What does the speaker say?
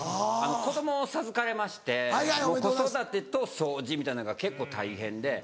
子供を授かれまして子育てと掃除みたいなのが結構大変で。